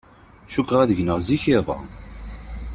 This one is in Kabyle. Cukkeɣ ad gneɣ zik iḍ-a.